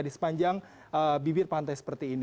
di sepanjang bibir pantai